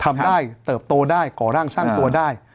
ทำได้เติบโตได้ก่อร่างสร้างตัวได้